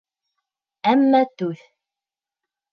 Әммә түҙ.